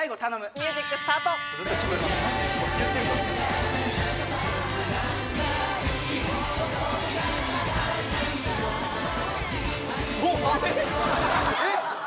ミュージックスタートえっ？